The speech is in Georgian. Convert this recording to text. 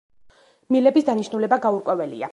მილების დანიშნულება გაურკვეველია.